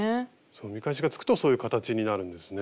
見返しがつくとそういう形になるんですね。